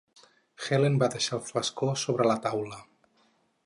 Helene va deixar el flascó sobre la taula.